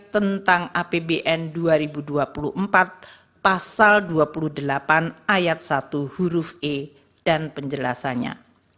tentang apbn dua ribu dua puluh empat pasal dua puluh delapan ayat satu huruf e dan penjelasannya